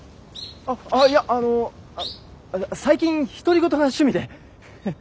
ああっいやあの最近独り言が趣味で。